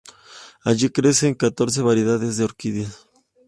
Allí crecen catorce variedades de orquídeas.